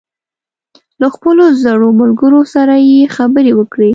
له خپلو زړو ملګرو سره یې خبرې وکړې.